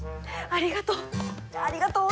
ありがとう！